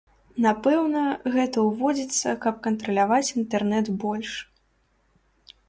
Напэўна, гэта ўводзіцца, каб кантраляваць інтэрнэт больш.